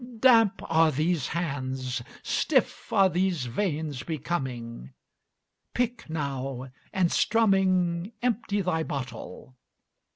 Damp are these hands; stiff are these veins becoming. Pick now, and strumming, Empty thy bottle!